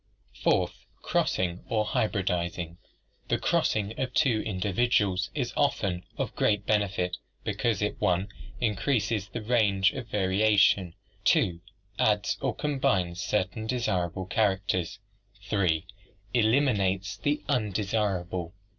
Fourth, crossing or hybridizing. The crossing of two individuals is often of great benefit because it (i) increases the range of varia tion, (2) adds or combines certain desirable characters, (3) elimin ates the undesirable.